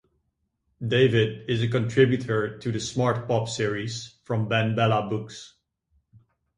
David is a contributor to the Smart Pop Series from BenBella Books.